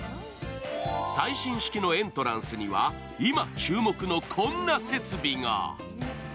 最新式のエントランスには今注目の、こんな設備が。